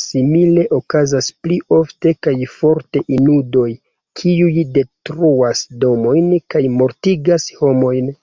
Simile okazas pli ofte kaj forte inundoj, kiuj detruas domojn kaj mortigas homojn.